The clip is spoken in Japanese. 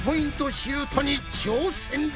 シュートに挑戦だ！